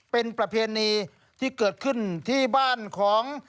เป็นประเพณีที่เกิดขึ้นที่บ้านของ